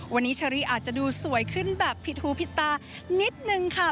วันนี้เชอรี่อาจจะดูสวยขึ้นแบบผิดหูผิดตานิดนึงค่ะ